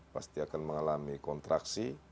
pasti akan mengalami kontraksi